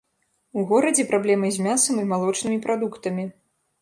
У горадзе праблемы з мясам і малочнымі прадуктамі.